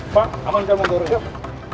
kak aman yang memperoleh